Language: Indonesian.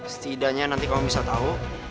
setidaknya nanti kamu bisa tahu